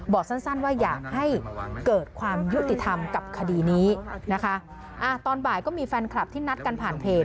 สั้นสั้นว่าอยากให้เกิดความยุติธรรมกับคดีนี้นะคะอ่าตอนบ่ายก็มีแฟนคลับที่นัดกันผ่านเพจ